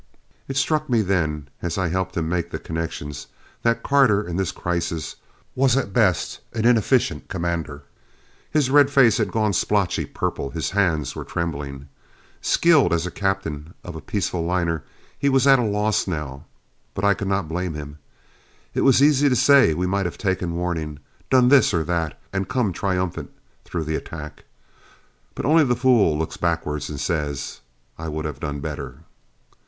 It struck me then as I helped him make the connections that Carter in this crisis was at best an inefficient commander. His red face had gone splotchy purple; his hands were trembling. Skilled as Captain of a peaceful liner, he was at a loss now. But I could not blame him. It is easy to say we might have taken warning, done this or that, and come triumphant through the attack. But only the fool looks backward and says, "I would have done better."